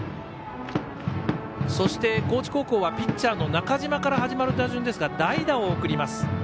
そして、高知高校はピッチャーの中嶋から始まる打順ですが代打を送ります。